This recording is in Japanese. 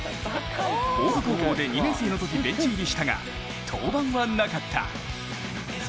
大府高校で２年生のとき、ベンチ入りしたが、登板はなかった。